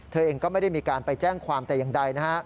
เธอเองก็ไม่ได้มีการไปแจ้งความแต่อย่างใดนะฮะ